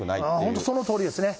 本当にそのとおりですね。